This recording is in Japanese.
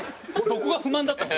どこが不満だった？